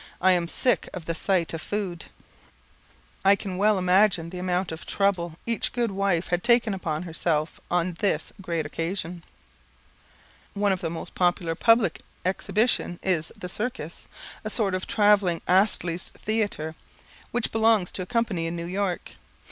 I am sick of the sight of food." I can well imagine the amount of "trouble" each good wife had taken upon herself on this great occasion. One of the most popular public exhibitions is the circus, a sort of travelling Astley's theatre, which belongs to a company in New York.